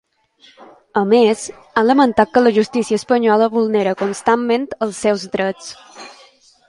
A més, ha lamentat que la justícia espanyola vulnera constantment els seus drets.